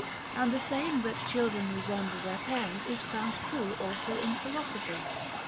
And the saying that children resemble their parents is found true also in philosophy.